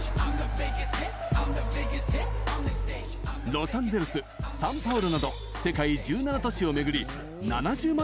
ロサンゼルス、サンパウロなど世界１７都市を巡り７０万